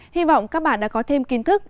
hy vọng các bạn đã có thêm kiến thức